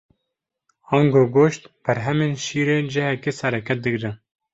Ango goşt û berhemên şîrê cihekê sereke digirin.